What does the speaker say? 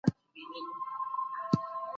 تر پایه به ټول کارونه تنظیم سوي وي.